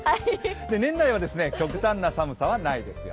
年内は極端な寒さはないですよ。